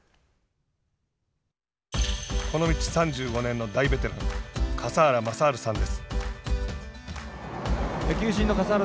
この道３５年の大ベテラン笠原昌春さんです。